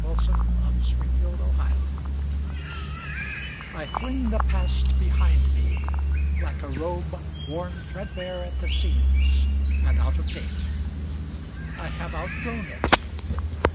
Ella Wheeler Wilcox The Past I FLING the past behind me, like a robe Worn threadbare at the seams, and out of date. I have outgrown it.